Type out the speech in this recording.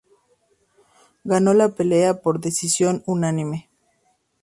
Ganó la pelea por decisión unánime.